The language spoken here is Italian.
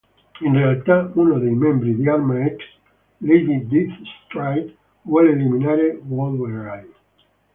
In realtà, uno dei membri di Arma X, Lady Deathstrike, vuole eliminare Wolverine.